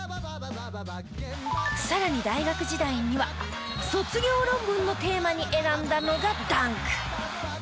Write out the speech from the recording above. さらに大学時代には卒業論文のテーマに選んだのがダンク。